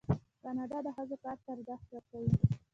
کاناډا د ښځو کار ته ارزښت ورکوي.